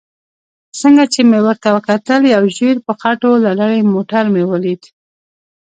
څنګه چې مې ورته وکتل یو ژېړ په خټو لړلی موټر مې ولید.